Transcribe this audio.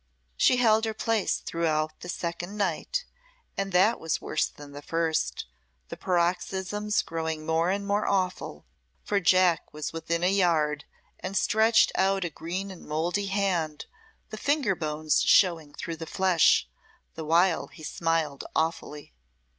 She held her place throughout the second night, and that was worse than the first the paroxysms growing more and more awful; for Jack was within a yard, and stretched out a green and mouldy hand, the finger bones showing through the flesh, the while he smiled awfully.